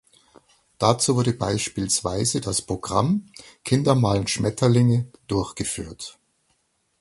Dazu wurde beispielsweise das Programm „Kinder malen Schmetterlinge“ durchgeführt.